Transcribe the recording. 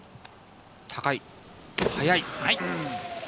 高い、速い。